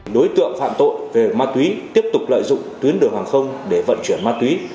đối tượng phạm tội về ma túy tiếp tục lợi dụng tuyến đường hàng không để vận chuyển ma túy